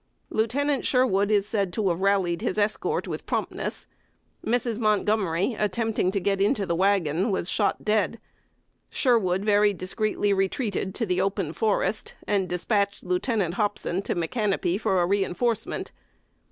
Lieutenant Sherwood is said to have rallied his escort with promptness. Mrs. Montgomery, attempting to get into the wagon, was shot dead. Sherwood very discreetly retreated to the open forest, and dispatched Lieutenant Hopson to Micanopy for a reinforcement.